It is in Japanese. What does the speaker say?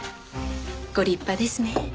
ご立派ですねえ。